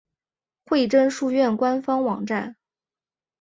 惠贞书院官方网站